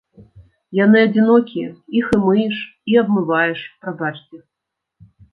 Яны адзінокія, іх і мыеш, і абмываеш, прабачце.